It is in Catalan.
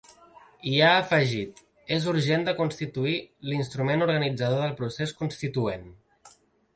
I ha afegit: És urgent de constituir l’instrument organitzador del procés constituent.